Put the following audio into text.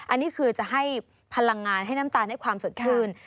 อันนี้คือจะให้พลังงานให้น้ำตาลให้ความสดชื่น